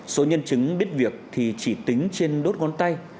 số nhân chứng biết việc thì chỉ tính trên đốt ngón tay